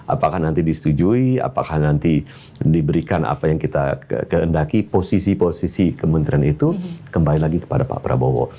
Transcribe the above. apakah nanti disetujui apakah nanti diberikan apa yang kita kehendaki posisi posisi kementerian itu kembali lagi kepada pak prabowo